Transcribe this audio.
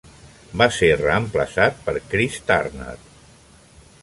Va ser reemplaçat per Chris Turner.